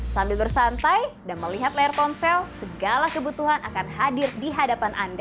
sambil bersantai dan melihat layar ponsel segala kebutuhan akan hadir di hadapan anda